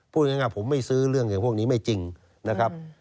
พูดง่ายผมไม่ซื้อเรื่องอย่างพวกนี้ไม่จริงนะครับ